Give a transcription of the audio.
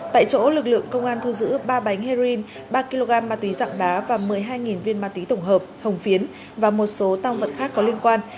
tại chỗ lực lượng công an thu giữ ba bánh heroin ba kg ma túy dạng đá và một mươi hai viên ma túy tổng hợp hồng phiến và một số tăng vật khác có liên quan